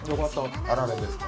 あられですか？